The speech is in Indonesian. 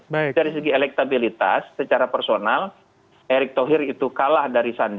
jadi dari segi elektabilitas secara personal erick tohir itu kalah dari sandi